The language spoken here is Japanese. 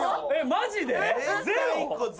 マジで！？